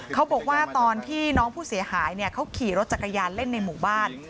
เขาบอกว่าตอนที่น้องผู้เสียหายเขาขี่รถจักรยานเล่นในหมู่บ้าน